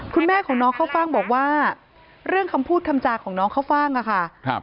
คุณแม่ของน้องข้าวฟ่างบอกว่าเรื่องคำพูดคำจาของน้องข้าวฟ่างอะค่ะ